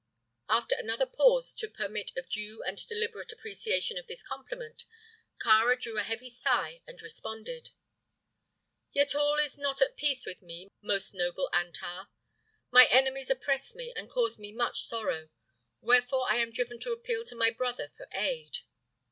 After another pause to permit of due and deliberate appreciation of this compliment, Kāra drew a heavy sigh and responded: "Yet all is not at peace with me, most noble Antar. My enemies oppress me and cause me much sorrow; wherefore I am driven to appeal to my brother for aid."